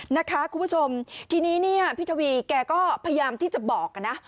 นะคะคุณผู้ชมทีนี้เนี่ยพี่ทวีแกก็พยายามที่จะบอกนะ